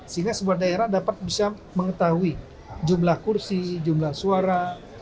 sehingga sebuah daerah dapat bisa mengetahui jumlah kursi jumlah suara